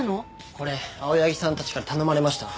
これ青柳さんたちから頼まれました。